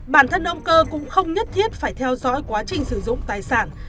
bản thân ông cơ cũng không nhất thiết phải theo dõi quá trình sử dụng tài sản